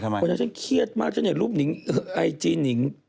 เพราะฉะนั้นฉันเครียดมากฉันอยากให้รูปนิงไอจีนิง